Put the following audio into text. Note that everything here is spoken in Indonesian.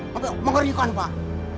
sampai mengerikan pak